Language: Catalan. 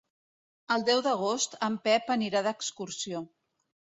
El deu d'agost en Pep anirà d'excursió.